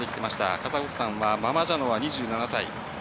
カザフスタンはママジャノワ２７歳。